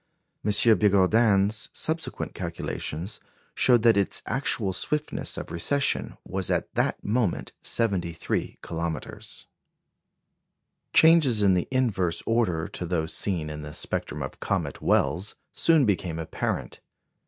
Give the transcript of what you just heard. M. Bigourdan's subsequent calculations showed that its actual swiftness of recession was at that moment 73 kilometres. Changes in the inverse order to those seen in the spectrum of comet Wells soon became apparent.